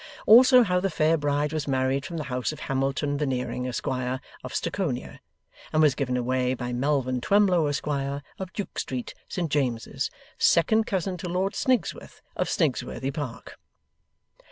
Also how the fair bride was married from the house of Hamilton Veneering, Esquire, of Stucconia, and was given away by Melvin Twemlow, Esquire, of Duke Street, St James's, second cousin to Lord Snigsworth, of Snigsworthy Park.